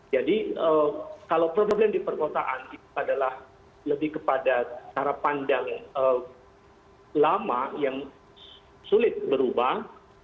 jadi kalau problem di perkotaan adalah lebih kepada cara pandang lama yang sulit berubah